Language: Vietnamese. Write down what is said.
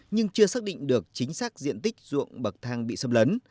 nhưng chưa xác định được chính xác diện tích ruộng bậc thang bị xâm lấn